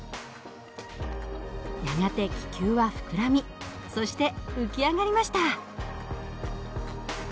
やがて気球は膨らみそして浮き上がりました。